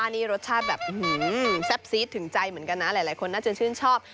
นี่รสชาติแบบแซ่บซีดถึงใจเหมือนกันนะหลายคนน่าจะชื่นชอบ